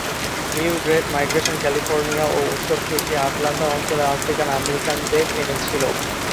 New Great Migration California ও উত্তর থেকে আটলান্টা অঞ্চলে আফ্রিকান আমেরিকানদের এনেছিল।